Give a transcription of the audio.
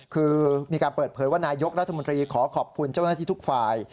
คือมีการเปิดเผยว่านายกรัฐมนตรีขอขอบคุณเจ้าหน้าที่ทุกฝ่าย